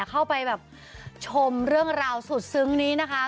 เข้าไปแบบชมเรื่องราวสุดซึ้งนี้นะคะ